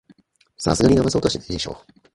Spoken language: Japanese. さすがにだまそうとはしないでしょ